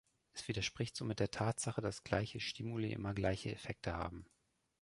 Es widerspricht somit der Tatsache, dass gleiche Stimuli immer gleiche Effekte haben.